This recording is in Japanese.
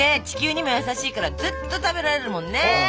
地球にも優しいからずっと食べられるもんね。